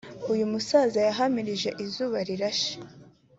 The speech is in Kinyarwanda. uyu musaza yahamirije Izubarirashe